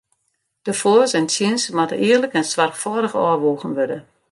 De foars en tsjins moatte earlik en soarchfâldich ôfwoegen wurde.